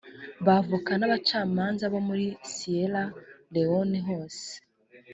ba avoka n abacamanza bo muri siyera lewone hose